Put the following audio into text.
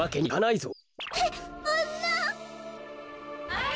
あれ？